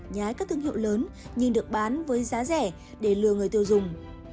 nhái các thương hiệu lớn nhưng được bán với giá rẻ để lừa người tiêu dùng